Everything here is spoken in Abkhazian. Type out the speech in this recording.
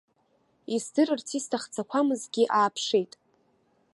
Издырырц исҭахӡақәамызгьы ааԥшит.